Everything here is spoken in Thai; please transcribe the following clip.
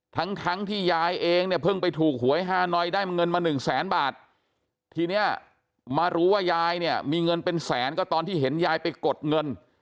ทั้งทั้งที่ยายเองเนี่ยเพิ่งไปถูกหวยฮานอยได้เงินมาหนึ่งแสนบาททีเนี้ยมารู้ว่ายายเนี่ยมีเงินเป็นแสนก็ตอนที่เห็นยายไปกดเงิน